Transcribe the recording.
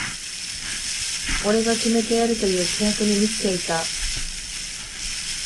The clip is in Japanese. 俺が決めてやるという気迫に満ちていた